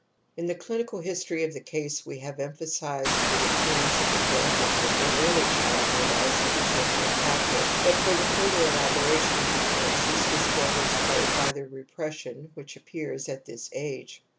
In the clinical history of the case we have em phasized the appearance of the prohibition in early childhood as the determining factor ; but for the further elaboration of the neurosis this r61e is played by the repression which appears at this age.